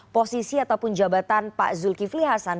posisi ataupun jabatan pak zulkifli hasan